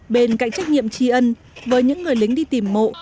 bên cạnh trách nhiệm tri ân với những người lính đi tìm mộ